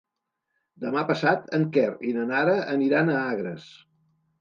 Demà passat en Quer i na Nara aniran a Agres.